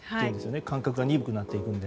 感覚が鈍くなっていくので。